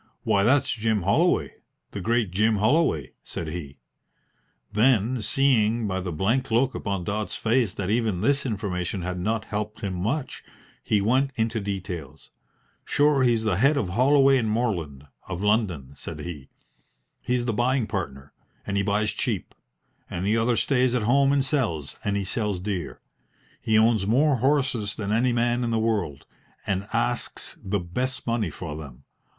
"Why, that's Jim Holloway, the great Jim Holloway," said he; then, seeing by the blank look upon Dodds's face that even this information had not helped him much, he went into details. "Sure he's the head of Holloway & Morland, of London," said he. "He's the buying partner, and he buys cheap; and the other stays at home and sells, and he sells dear. He owns more horses than any man in the world, and asks the best money for them.